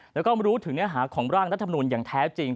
แล้วก็รู้ถึงเนื้อหาของร่างรัฐมนูลอย่างแท้จริง